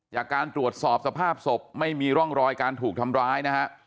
จากการตรวจสอบสภาพศพไม่มีร่องรอยการถูกทำร้ายนะฮะ